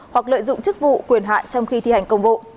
hoặc lợi dụng chức vụ quyền hạn trong khi thi hành công vụ